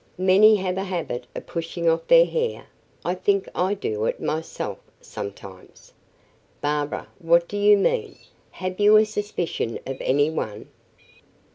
"Many have a habit of pushing off their hair I think I do it myself sometimes. Barbara, what do you mean? Have you a suspicion of any one?"